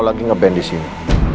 lagi nge ban di sini